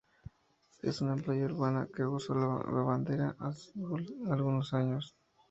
Es una playa urbana, que gozó de bandera azul algunos años.